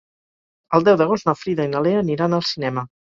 El deu d'agost na Frida i na Lea aniran al cinema.